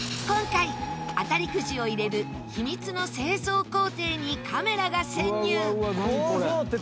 今回当たりくじを入れる秘密の製造工程にカメラが潜入！